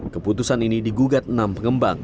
keputusan ini digugat enam pengembang